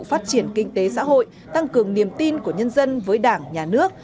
phát triển kinh tế xã hội tăng cường niềm tin của nhân dân với đảng nhà nước